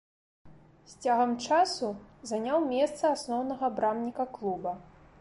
З цягам часу заняў месца асноўнага брамніка клуба.